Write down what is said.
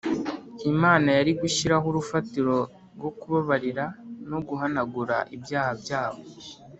Imana yari gushyiraho urufatiro rwo kubabarira no guhanagura ibyaha byabo